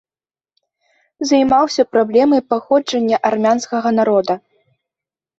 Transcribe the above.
Займаўся праблемай паходжання армянскага народа.